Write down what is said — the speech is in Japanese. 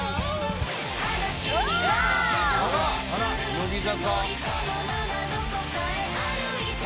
乃木坂。